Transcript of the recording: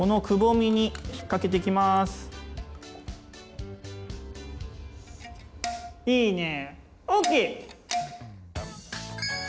いいね。